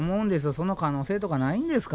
その可能性とかないんですかね。